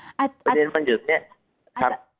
ประเด็นมันอยู่แบบนี้